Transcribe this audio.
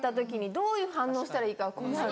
どういう反応したらいいか困る。